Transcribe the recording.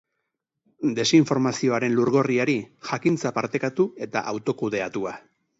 Desinformazioaren lugorriari, jakintza partekatu eta autokudeatua.